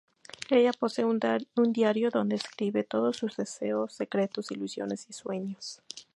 Ella posee un diario donde escribe todos sus deseos, secretos, ilusiones y sueños.